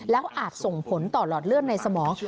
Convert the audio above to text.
แล้วอาจส่งผลต่อหลอดเลือดในสมอง